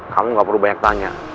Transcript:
kamu gak perlu banyak tanya